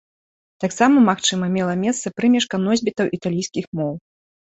Таксама, магчыма мела месца прымешка носьбітаў італійскіх моў.